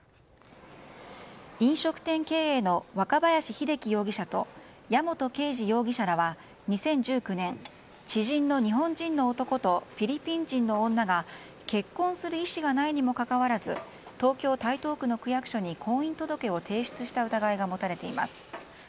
飲食店経営の若林秀機容疑者と矢本啓二容疑者らは２０１９年、知人の日本人の男とフィリピン人の女が結婚する意志がないにもかかわらず東京・台東区の区役所に婚姻届を提出した疑いが持たれています。